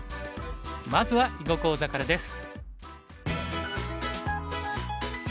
まずは囲碁講座からです。